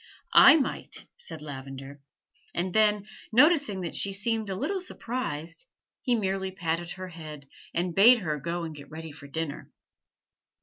"I might," said Lavender; and then, noticing that she seemed a little surprised, he merely patted her head and bade her go and get ready for dinner.